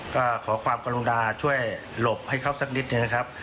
ก็ขอความกรุณาช่วยหลบให้เขาสักนิดหนึ่งนะครับ